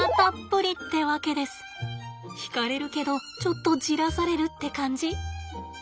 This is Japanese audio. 惹かれるけどちょっとじらされるって感じ？